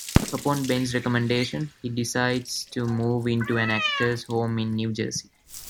Upon Ben's recommendation, he decides to move into an actors' home in New Jersey.